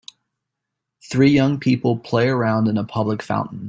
Three young people play around in a public fountain.